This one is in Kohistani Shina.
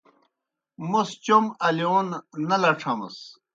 موْس چوْم الِیون نہ لڇھمَس۔